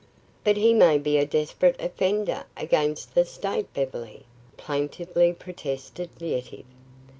"But he may be a desperate offender against the state, Beverly." plaintively protested Yetive.